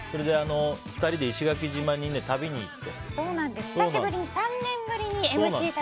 ２人で石垣島に旅に行って。